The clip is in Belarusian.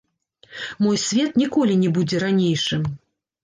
Мой свет ніколі не будзе ранейшым.